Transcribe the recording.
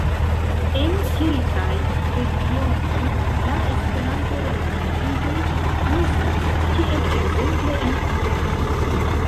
En kelkaj regionoj la Esperanto-renkontiĝoj kreskas, kiel ekzemple en Germanio.